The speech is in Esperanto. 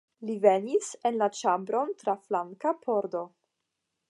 Li venis en la ĉambron tra flanka pordo.